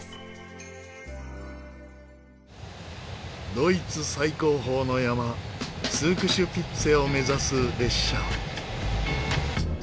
ドイツ最高峰の山ツークシュピッツェを目指す列車。